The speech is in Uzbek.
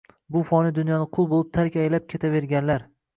bu foniy dunyoni qul bo’lib tark aylab ketaverganlar.